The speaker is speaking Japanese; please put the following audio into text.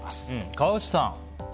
川内さん